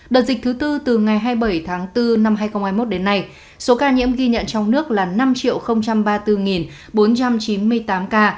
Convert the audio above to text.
đợt dịch thứ tư từ ngày hai mươi bảy tháng bốn năm hai nghìn hai mươi một đến nay số ca nhiễm ghi nhận trong nước là năm ba mươi bốn bốn trăm chín mươi tám ca